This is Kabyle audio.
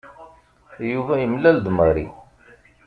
Yuba yemlal-d Mary.